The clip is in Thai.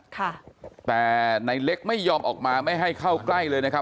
ค่ะแต่ในเล็กไม่ยอมออกมาไม่ให้เข้าใกล้เลยนะครับ